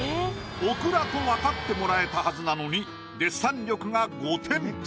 オクラとわかってもらえたはずなのにデッサン力が５点。